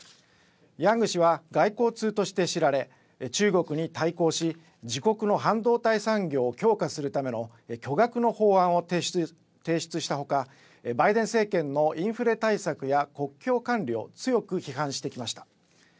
ヤング氏は外交通として知られ中国に対抗し自国の半導体産業を強化するための巨額の法案を提出したほかバイデン政権のインフレ対策や国境管理を強く批判してきました。